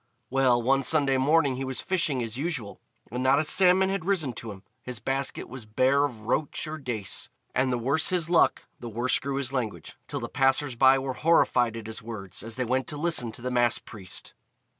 Well, one Sunday morning he was fishing as usual, and not a salmon had risen to him, his basket was bare of roach or dace. And the worse his luck, the worse grew his language, till the passers by were horrified at his words as they went to listen to the Mass priest.